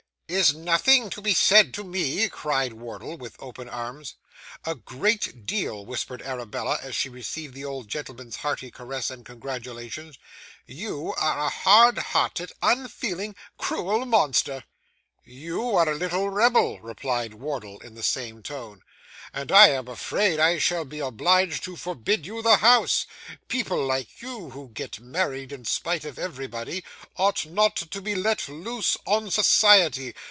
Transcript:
'Is nothing to be said to me?' cried Wardle, with open arms. 'A great deal,' whispered Arabella, as she received the old gentleman's hearty caress and congratulation. 'You are a hard hearted, unfeeling, cruel monster.' 'You are a little rebel,' replied Wardle, in the same tone, 'and I am afraid I shall be obliged to forbid you the house. People like you, who get married in spite of everybody, ought not to be let loose on society.